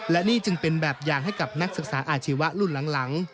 และนี่จึงเป็นแบบอย่างให้กับนักศึกษาอาชีวะรุ่นหลัง